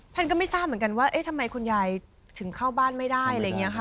ก็ไม่ทราบเหมือนกันว่าเอ๊ะทำไมคุณยายถึงเข้าบ้านไม่ได้อะไรอย่างนี้ค่ะ